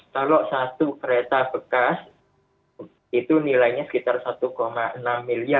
kalau satu kereta bekas itu nilainya sekitar rp satu enam miliar